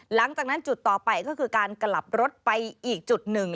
หลังจากนั้นจุดต่อไปก็คือการกลับรถไปอีกจุดหนึ่ง